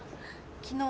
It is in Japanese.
昨日？